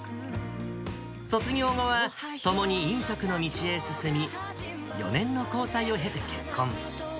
卒業後は、ともに飲食の道へ進み、４年の交際を経て、結婚。